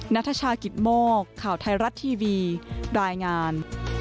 นัทชากิตโมกข่าวไทยรัฐทีวีรายงาน